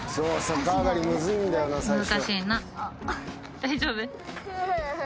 大丈夫？